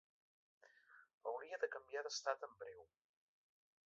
Hauria de canviar d'estat en breu.